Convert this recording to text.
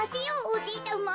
おじいちゃま。